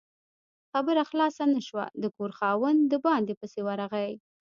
خبره خلاصه نه شوه، د کور خاوند د باندې پسې ورغی